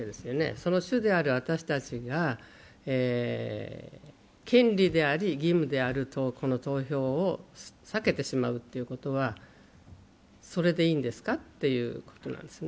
その主である私たちが権利であり義務であるこの投票を避けてしまうことは、それでいいんですか？ということなんですね。